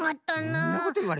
そんなこといわれたって。